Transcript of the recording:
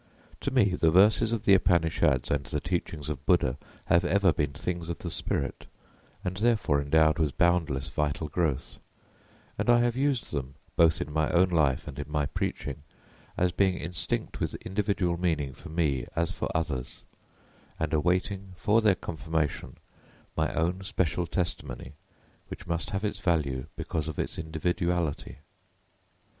To me the verses of the Upanishads and the teachings of Buddha have ever been things of the spirit, and therefore endowed with boundless vital growth; and I have used them, both in my own life and in my preaching, as being instinct with individual meaning for me, as for others, and awaiting for their confirmation, my own special testimony, which must have its value because of its individuality.